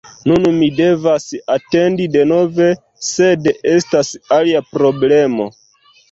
Nun mi devas atendi denove, sed estas alia problemo: